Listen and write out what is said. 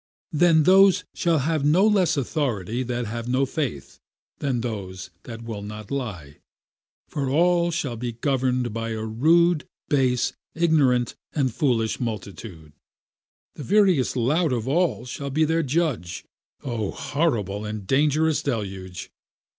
Then those shall have no less authority, That have no faith, than those that will not lie; For all shall be governed by a rude, Base, ignorant, and foolish multitude; The veriest lout of all shall be their judge, O horrible and dangerous deluge!